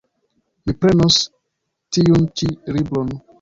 Mi prenos tiun ĉi libron.